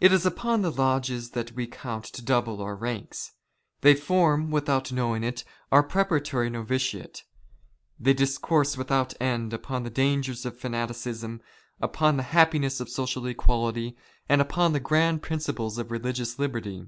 It is upon the lodges that we count to double our " ranks. They form, without knowing it, our preparatory " novitiate. They discourse without end upon the dangers of " fanaticism, upon the happiness of social equality, and upon *'the grand principles of religious liberty.